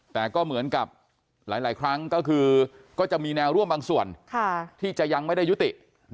แต่ก็เหมือนกับหลายครั้งก็คือก็จะมีแนวร่วมบางส่วนที่จะยังไม่ได้ยุติ